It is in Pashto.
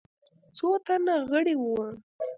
څو تنه غړي وه.